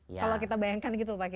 kalau kita bayangkan gitu pak kiai